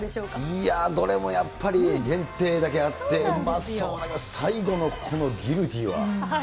いやー、どれもやっぱり限定だけあってうまそうな、最後のこのギルティーは。